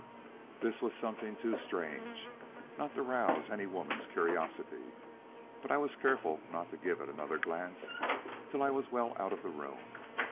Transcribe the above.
This was something too strange not to rouse any woman's curiosity, but I was careful not to give it another glance till I was well out of the room.